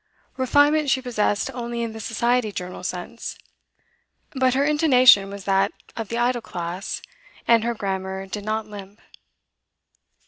Refinement she possessed only in the society journal sense, but her intonation was that of the idle class, and her grammar did not limp.